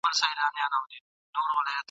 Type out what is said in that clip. یو ناڅاپه یې زړه ډوب سو حال یې بل سو ..